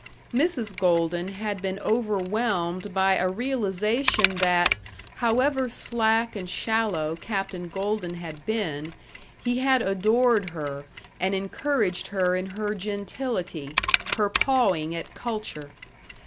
Mrs. Golden had been overwhelmed by a realization that, however slack and shallow Captain Golden had been, he had adored her and encouraged her in her gentility, her pawing at culture.